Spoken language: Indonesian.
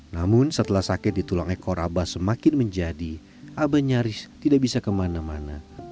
namun setelah sakit di tulang ekor abah semakin menjadi abah nyaris tidak bisa kemana mana